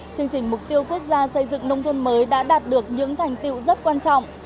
chương trình mục tiêu quốc gia xây dựng nông thôn mới đã đạt được những thành tiệu rất quan trọng